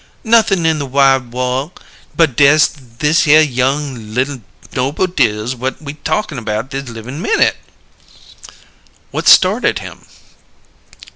"Nothin' in the wide worl' but dess thishere young li'l Noble Dills whut we talkin' about this livin' minute." "What started him?"